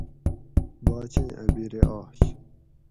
باچیں ا بِرے آش